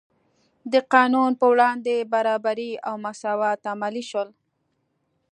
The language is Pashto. د قانون په وړاندې برابري او مساوات عملي شول.